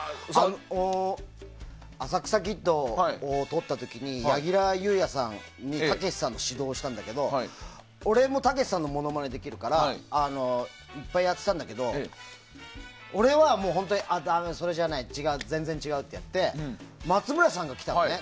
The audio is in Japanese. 「浅草キッド」を撮った時に柳楽優弥さんにたけしさんの指導をしたんだけど俺もたけしさんのモノマネできるからいっぱいやってたんだけど俺は、だめ、それじゃない違う、全然違うって言って松村さんが来たのね。